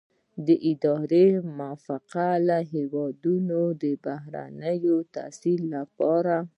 د ادارې په موافقه له هیواده بهر د تحصیل لپاره.